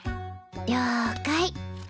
了解。